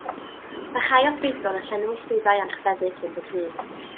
Mae rhai o'th feibion yn llenwi swyddau anrhydeddus yn fy nhŷ.